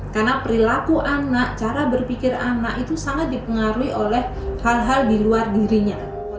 karena perilaku anak cara berpikir anak itu sangat dipengaruhi oleh hal hal di luar dirinya